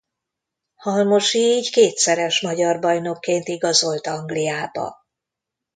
Halmosi így kétszeres magyar bajnokként igazolt Angliába.